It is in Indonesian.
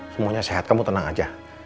semuanya sehat kamu tenang aja